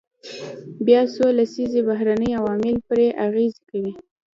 بیا څو لسیزې بهرني عوامل پرې اغیز کوي.